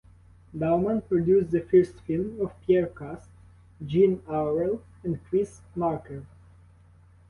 Dauman produced the first films of Pierre Kast, Jean Aurel and Chris Marker.